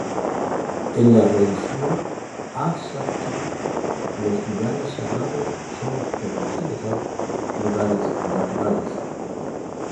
En la religión Ásatrú, los lugares sagrados son por lo general lugares naturales.